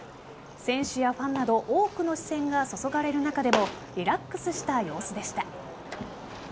選手やファンなど多くの視線が注がれる中でもリラックスした様子でした。